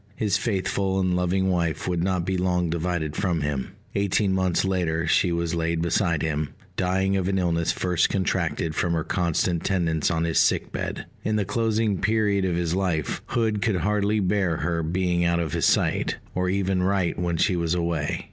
His faithful and loving wife would not be long divided from him. Eighteen months later she was laid beside him, dying of an illness first contracted from her constant tendance on his sick bed. In the closing period of his life, Hood could hardly bear her being out of his sight, or even write when she was away.